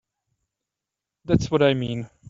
That's what I mean.